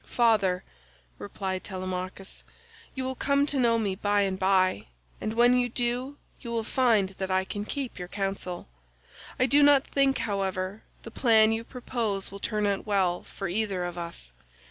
"Father," replied Telemachus, "you will come to know me by and by, and when you do you will find that I can keep your counsel. I do not think, however, the plan you propose will turn out well for either of us.